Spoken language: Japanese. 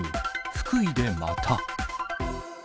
福井でまた。